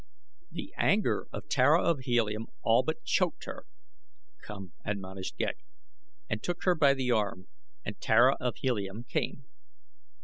The anger of Tara of Helium all but choked her. "Come," admonished Ghek, and took her by the arm, and Tara of Helium came.